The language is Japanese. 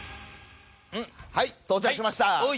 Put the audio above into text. はい到着しました